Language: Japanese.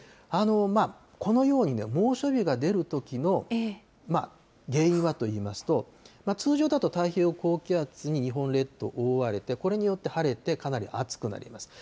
このように、猛暑日が出るときの原因はといいますと、通常だと太平洋高気圧に日本列島が覆われて、これによって晴れて、かなり暑くなります。